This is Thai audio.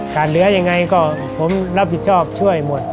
เหลือยังไงก็ผมรับผิดชอบช่วยหมด